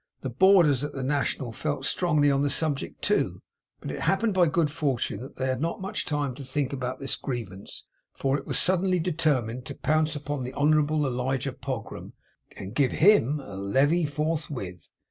The boarders at the National felt strongly on the subject too; but it happened by good fortune that they had not much time to think about this grievance, for it was suddenly determined to pounce upon the Honourable Elijah Pogram, and give HIM a le vee forthwith.